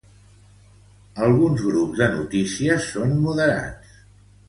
Alguns grups de notícies són moderats.